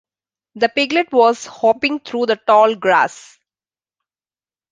The piglet was hopping through the tall grass.